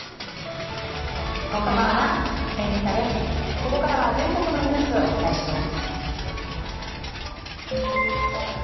ここからは全国のニュースお伝えします。